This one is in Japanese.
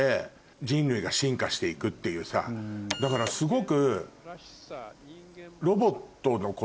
だからすごく。